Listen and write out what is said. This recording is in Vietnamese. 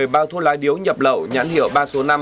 hai trăm một mươi bao thu lãi điếu nhập lậu nhãn hiệu ba số năm